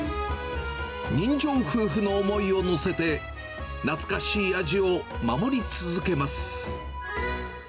人情夫婦の思いを乗せて、懐かしい味を守り続けます。